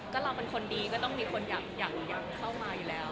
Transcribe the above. ก็เราเป็นคนดีก็ต้องมีคนอยากเข้ามาอยู่แล้ว